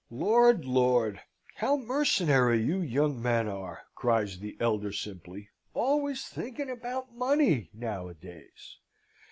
"Lord, Lord, how mercenary you young men are!" cries the elder, simply. "Always thinking about money nowadays!